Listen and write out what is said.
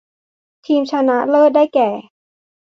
ทีมชนะเลิศได้แก่